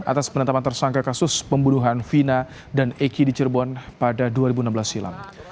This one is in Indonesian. atas penetapan tersangka kasus pembunuhan vina dan eki di cirebon pada dua ribu enam belas silam